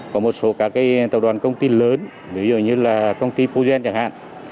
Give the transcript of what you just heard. có một số các cái tàu đoàn công ty lớn ví dụ như là công ty puget chẳng hạn